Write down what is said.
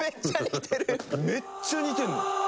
めっちゃ似てるの。